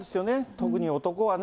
特に男はね。